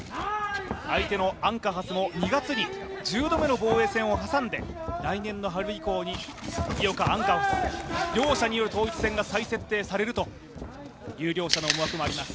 相手のアンカハスも２月に１０度目の防衛戦を挟んで来年の春以降に井岡、アンカハス、両者による統一戦が再設定されるという思惑があります。